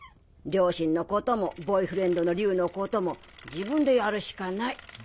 両親のこともボーイフレンドの竜のことも自分でやるしかない。